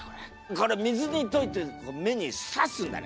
これ水に溶いて目にさすんだよ